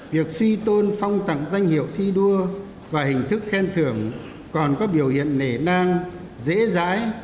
việc suy tôn phong tặng danh hiệu thi đua và hình thức khen thưởng còn có biểu hiện nể nang dễ dãi